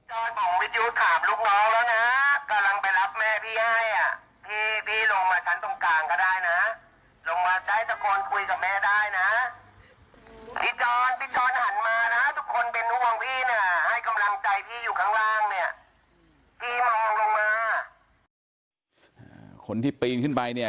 ให้กำลังใจพี่อยู่ข้างล่างเนี่ยพี่มองลงมาคนที่ปีนขึ้นไปเนี่ย